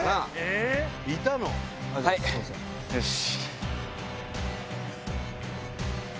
よし！